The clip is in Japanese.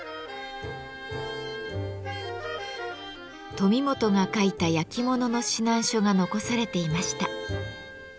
富本が書いた焼き物の指南書が残されていました。